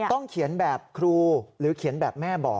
ต้องเขียนแบบครูหรือเขียนแบบแม่บอก